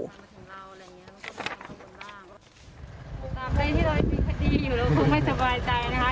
ตามใครที่เรายังมีคดีอยู่เราคงไม่สบายใจนะคะ